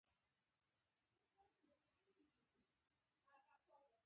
احمد زما سره خپړې ولګولې.